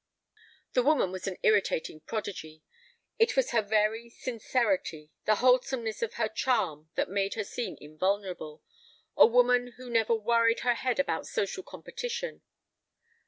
The woman was an irritating prodigy. It was her very sincerity, the wholesomeness of her charm, that made her seem invulnerable, a woman who never worried her head about social competition.